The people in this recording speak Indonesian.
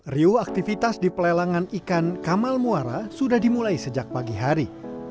riu aktivitas di pelelangan ikan kamal muara sudah dimulai sejak pagi hari